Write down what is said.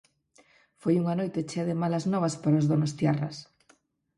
Foi unha noite chea de malas novas para os donostiarras.